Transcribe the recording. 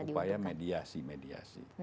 ada upaya mediasi mediasi